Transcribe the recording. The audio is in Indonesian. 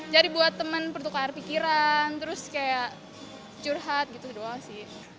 jadi buat teman perlu kelar pikiran terus curhat gitu doang sih